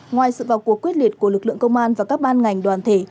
ngoài sự vào cuộc quyết liệt của lực lượng công an và các ban ngành đoàn thể